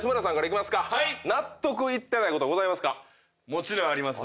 もちろんあります